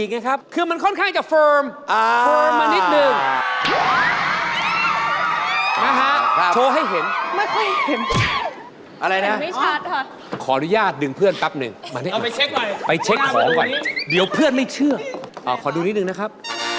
มือมันกางเพราะว่ามันติดปีกนะครับ